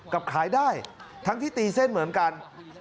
ขายได้ทั้งที่ตีเส้นเหมือนกัน